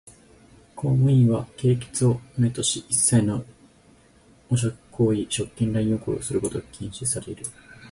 公務員は廉潔を旨とし、一切の汚辱行為、職権濫用行為をすることを厳禁される。